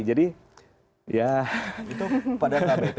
jadi ini yang kedua kali